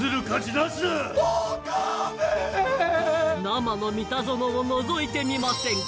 生の『ミタゾノ』をのぞいてみませんか？